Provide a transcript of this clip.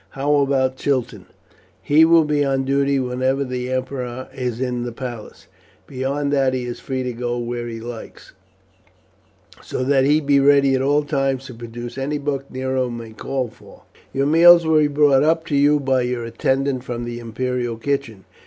How about Chiton?" "He will be on duty whenever the emperor is in the palace; beyond that he is free to go where he likes, so that he be ready at all times to produce any book that Nero may call for. Your meals will be brought up to you by your attendant from the imperial kitchen.